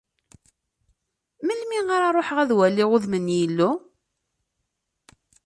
Melmi ara ruḥeɣ, ad waliɣ udem n Yillu?